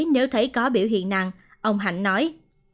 nếu thấy có biểu hiện nặng ông hạnh nói